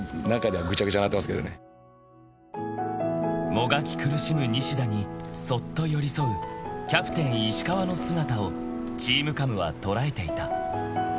［もがき苦しむ西田にそっと寄り添うキャプテン石川の姿をＴＥＡＭＣＡＭは捉えていた］